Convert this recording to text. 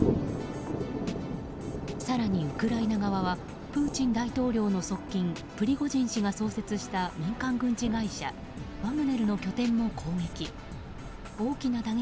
更にウクライナ側はプーチン大統領の側近プリゴジン氏が創設した民間軍事会社ワグネルの拠点も攻撃。